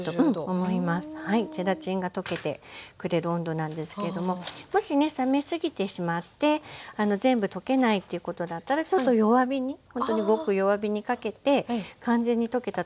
ゼラチンが溶けてくれる温度なんですけどももしね冷めすぎてしまって全部溶けないっていうことだったらちょっと弱火にほんとにごく弱火にかけて完全に溶けたところを確認してみて下さい。